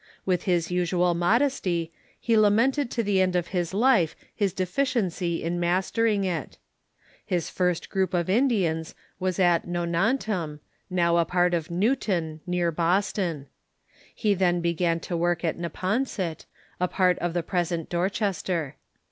With his usual modesty, he lamented to the end of his life his deficiency in mastering it. His first group of Indians Avas at Nonantum, now a part of Newton, near Boston. He then began to work at Neponsit, a part of the present Dorchester.